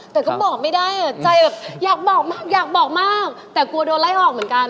แต่ก็บอกไม่ได้อ่ะใจแบบอยากบอกมากอยากบอกมากแต่กลัวโดนไล่ออกเหมือนกัน